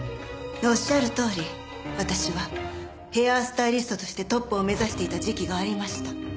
仰るとおり私はヘアスタイリストとしてトップを目指していた時期がありました。